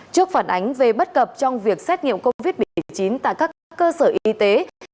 trước phản ánh về bất cập trong việc xét nghiệm covid một mươi chín tại các cơ sở y tế